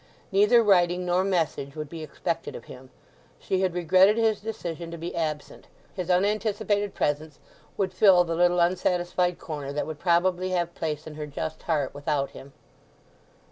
Neither writing nor message would be expected of him. She had regretted his decision to be absent—his unanticipated presence would fill the little unsatisfied corner that would probably have place in her just heart without him.